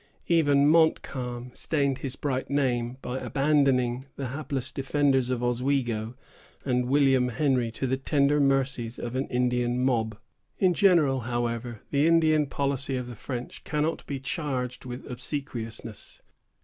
Even Montcalm stained his bright name by abandoning the hapless defenders of Oswego and William Henry to the tender mercies of an Indian mob. In general, however, the Indian policy of the French cannot be charged with obsequiousness.